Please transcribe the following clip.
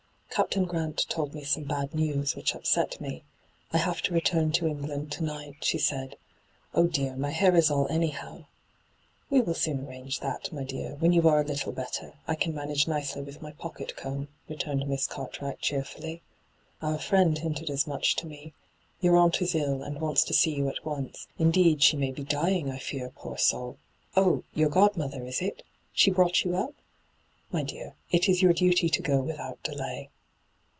' Captain Girant told me some bad news^ which upset me — I have to return to England to night,' she said. ' Oh dear, my hair is all anyhow I* ' We will soon arrange that, my dear, when you are a little better ; I can manage nicely with my pocket comb,' returned Miss Cart wright cheeriiilly. ' Our friend hinted as much to me. Your annt is ill, and wants to see yon at once — indeed, she may be dying, I fear, poor soul 1 Oh, your god mother, is it ? She brought you up ? My dear, it is your duty to go without delay.'